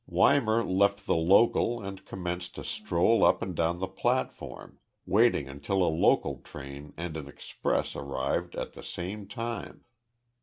Weimar left the local and commenced to stroll up and down the platform, waiting until a local train and an express arrived at the same time.